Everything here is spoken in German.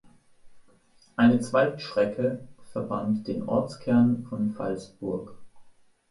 Eine Zweigstrecke verband den Ortskern von Phalsbourg.